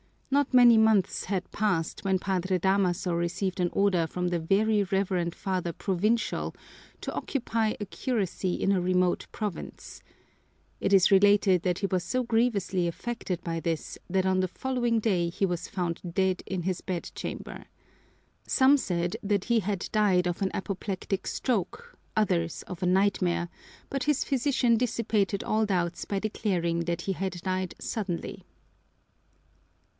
Not many months had passed when Padre Damaso received an order from the Very Reverend Father Provincial to occupy a curacy in a remote province. It is related that he was so grievously affected by this that on the following day he was found dead in his bedchamber. Some said that he had died of an apoplectic stroke, others of a nightmare, but his physician dissipated all doubts by declaring that he had died suddenly.